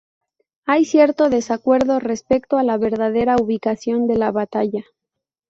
Hay cierto desacuerdo respecto a la verdadera ubicación de la batalla.